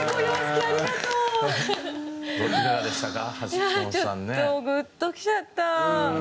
いやちょっとグッときちゃった。